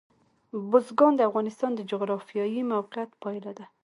بزګان د افغانستان د جغرافیایي موقیعت پایله ده.